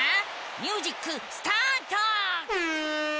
ミュージックスタート！